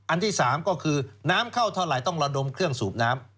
อันที่๓ก็คือน้ำเข้าเท่าไหร่ต้องระดมเครื่องสูบน้ำ